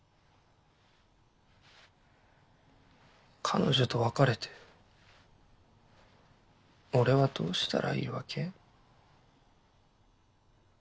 彼女と別れて俺はどうしたらいいわけ？